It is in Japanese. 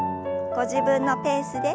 ご自分のペースで。